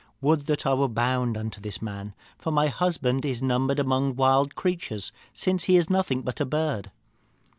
Would that I were bound unto this man, for my husband is numbered among wild creatures since he is nothing but a bird.'